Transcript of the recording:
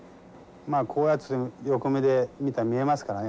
まあこうやって横目で見たら見えますからね